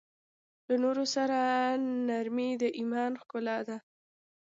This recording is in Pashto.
له نورو سره نرمي د ایمان ښکلا ده.